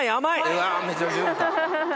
うわめちゃめちゃ言った。